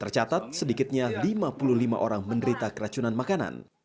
tercatat sedikitnya lima puluh lima orang menderita keracunan makanan